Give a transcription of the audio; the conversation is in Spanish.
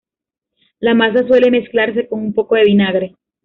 La masa suele mezclarse con un poco de vinagre.